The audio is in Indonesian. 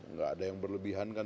nggak ada yang berlebihan kan